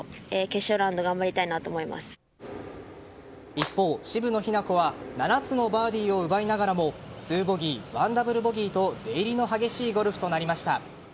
一方、渋野日向子は７つのバーディーを奪いながらも２ボギー１ダブルボギーと出入りの激しいゴルフとなりました。